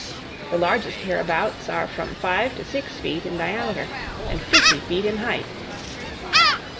The largest hereabouts are from five to six feet in diameter and fifty feet in height.